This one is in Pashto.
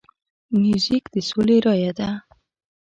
موزیک د سولې رایه ده.